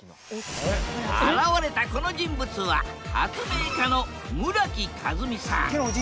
現れたこの人物は発明家の村木風海さん。